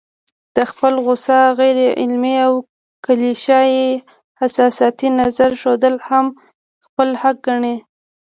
د خپل خوسا، غيرعلمي او کليشه يي حساسيتي نظر ښودل هم خپل حق ګڼي